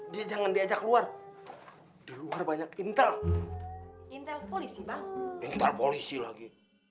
dia jangan diajak keluar luar banyak intel intel polisi polisi lagi